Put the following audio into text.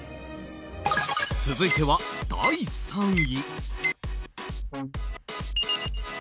続いては第３位。